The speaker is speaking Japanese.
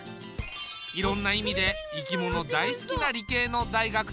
いろんな意味で生き物大好きな理系の大学生。